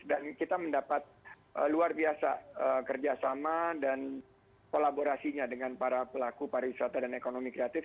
dan kita mendapat luar biasa kerjasama dan kolaborasinya dengan para pelaku pariwisata dan ekonomi kreatif